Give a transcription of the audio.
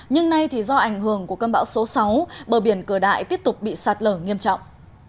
nhưng nay do ảnh hưởng của cơn bão số sáu bờ biển cửa đại tiếp tục bị sạt lở nghiêm trọng